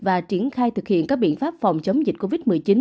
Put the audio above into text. và triển khai thực hiện các biện pháp phòng chống dịch covid một mươi chín